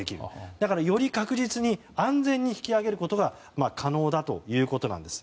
だから、より確実に安全に引き揚げることが可能だということなんです。